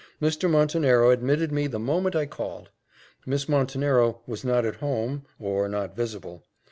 Mr. Montenero admitted me the moment I called. Miss Montenero was not at home, or not visible.